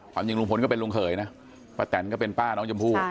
ความจริงลุงพลก็เป็นลุงเขยนะป้าแตนก็เป็นป้าน้องชมพู่